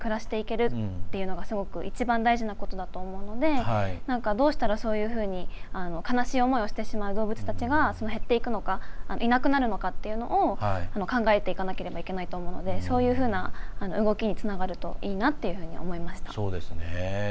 フリーに暮らしていけるのがすごく一番大事なことだと思うのでどうしたら、そういうふうに悲しい思いをしてしまう動物たちが減っていくのかいなくなるのかっていうのを考えていかなくてはいけないのでそういうふうな動きにつながるといいなというふうに思いました。